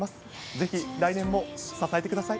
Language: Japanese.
ぜひ、来年も支えてください。